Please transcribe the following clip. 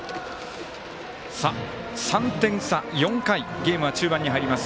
３点差、４回ゲームは中盤に入ります。